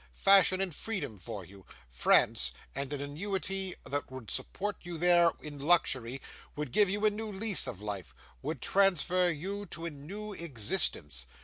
Fashion and freedom for you. France, and an annuity that would support you there in luxury, would give you a new lease of life, would transfer you to a new existence.